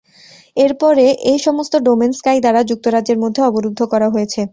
এরপরে এই সমস্ত ডোমেন স্কাই দ্বারা যুক্তরাজ্যের মধ্যে অবরুদ্ধ করা হয়েছে।